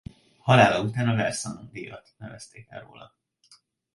Halála után a Versins-díjat nevezték el róla.